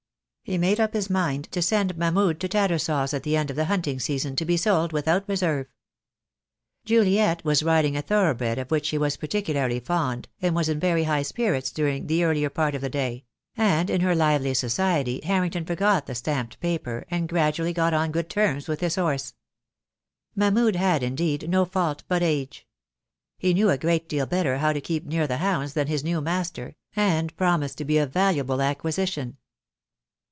He made up his mind to send Mahmud to Tattersall's at the end of the hunting season, to be sold without reserve. Juliet was riding a thorough bred of which she was particularly fond, and was in very high spirits during the earlier part of the day; and in her lively society Harrington forgot the stamped paper, and graduallly got on good terms with his horse. Mahmud had, indeed, no fault but age. He knew a great deal better how to keep near the hounds than his new master, and promised to be a valuable acquisition.